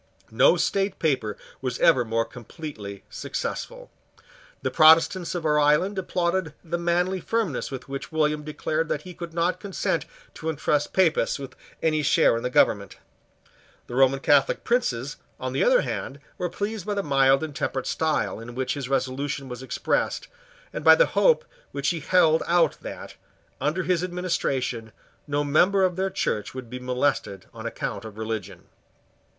No state paper was ever more completely successful. The Protestants of our island applauded the manly firmness with which William declared that he could not consent to entrust Papists with any share in the government. The Roman Catholic princes, on the other hand, were pleased by the mild and temperate style in which his resolution was expressed, and by the hope which he held out that, under his administration, no member of their Church would be molested on account of religion.